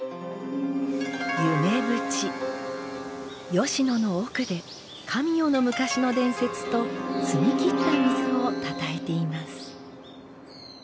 吉野の奥で神代の昔の伝説と澄み切った水をたたえています。